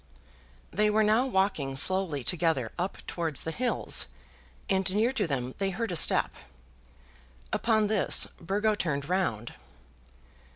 They were now walking slowly together up towards the hills, and near to them they heard a step. Upon this, Burgo turned round.